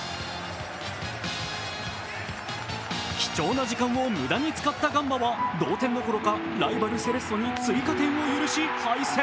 貴重な時間を無駄に使ったガンバは同点どころかライバル、セレッソに追加点を許し、敗戦。